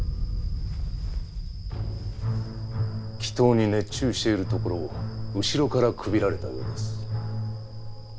祈祷に熱中しているところを後ろからくびられたようです。